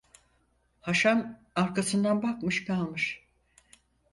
Haşan arkasından bakmış kalmış…